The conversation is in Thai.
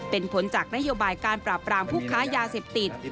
เป็นผลจากนโยบายการปราบรามผู้ค้ายาเสพติด